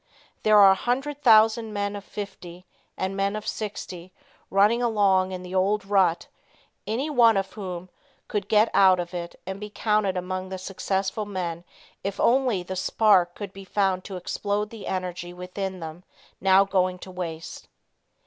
There are a hundred thousand men of fifty, and men of sixty, running along in the old rut, any one of whom could get out of it and be counted among the successful men if only the spark could be found to explode the energy within them now going to waste.